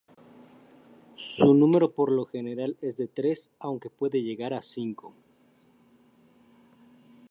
Su número por lo general es de tres, aunque pueden llegar a cinco.